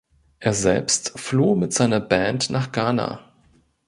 Er selbst floh mit seiner Band nach Ghana.